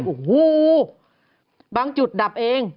โอ้โหบางจุดดับเอง